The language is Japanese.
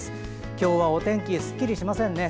今日はお天気すっきりしませんね。